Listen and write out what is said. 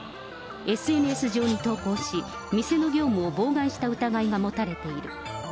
ＳＮＳ上に投稿し、店の業務を妨害した疑いが持たれている。